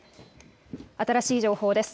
新しい情報です。